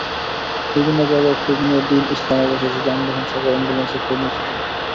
বিভিন্ন জায়গায় খোঁজ নিয়ে দীন ইসলাম অবশেষে যানবাহন শাখায় অ্যাম্বুলেন্সের খোঁজ নিতে যান।